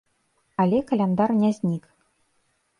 Але каляндар не знік.